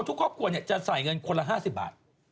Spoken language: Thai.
ทุกครอบครัวจะใส่เงินคนละ๕๐บาท